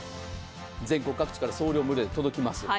全国各地から送料無料で届きます。